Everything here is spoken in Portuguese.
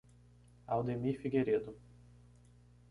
Aldemir Figueiredo